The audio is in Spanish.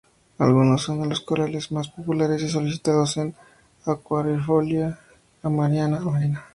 Algunos son de los corales más populares y solicitados en acuariofilia marina.